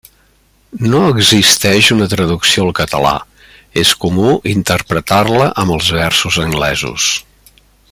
No existeix una traducció al català; és comú interpretar-la amb els versos anglesos.